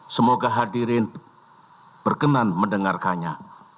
semoga hadirin berkenan mendengarkannya